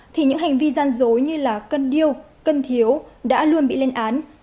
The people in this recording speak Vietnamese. thì những hành vi gian dối như là cân điêu cân thiếu đã luôn bị lên án